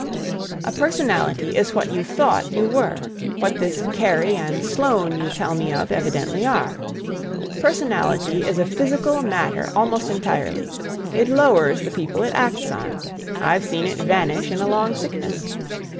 "A personality is what you thought you were, what this Kerry and Sloane you tell me of evidently are. Personality is a physical matter almost entirely; it lowers the people it acts on—I've seen it vanish in a long sickness.